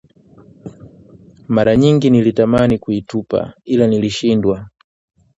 Mara nyingi, nilitamani kuitupa ila nilishindwa